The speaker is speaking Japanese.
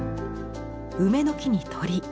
梅の木に鳥。